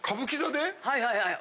はいはい。